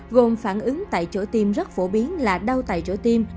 gồm phản ứng tại chỗ tiêm rất phổ biến là đau tại chỗ tiêm